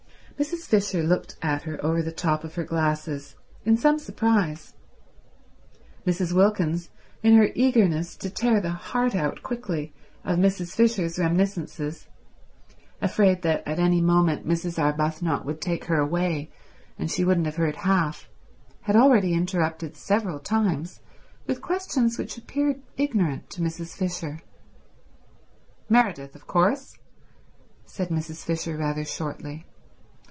Mrs. Fisher looked at her over the top of her glasses in some surprise. Mrs. Wilkins, in her eagerness to tear the heart out quickly of Mrs. Fisher's reminiscences, afraid that at any moment Mrs. Arbuthnot would take her away and she wouldn't have heard half, had already interrupted several times with questions which appeared ignorant to Mrs. Fisher. "Meredith of course," said Mrs. Fisher rather shortly.